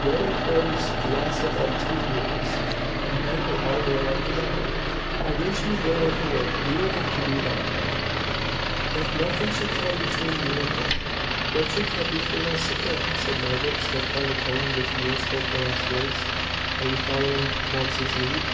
Wedding clothes last about two years, and then they all wear out together. I wish you joy of the work you will have to do then if nothing should come between you and it." "What should come between us and it?" said Margaret, struck by the tone in which Maria spoke the last words. "Are you following Morris's lead?